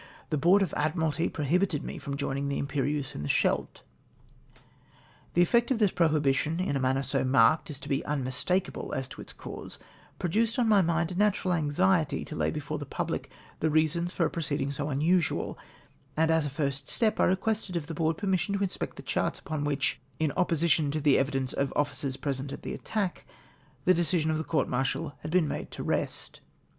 The Board of Admiralty pro hibited me from joining the Imperieuse in the Scheldt. The effect of this prohibition in a manner so marked as to be unmistakeable as to its cause, produced on my mind a natural anxiety to lay before the pubhc the reasons for a proceeding so unusual, and, as a first step, I requested of the Board permission to inspect the charts upon which — in opposition to the evidence of officers jjresent at the attack — the decision of the court martial had been made to rest.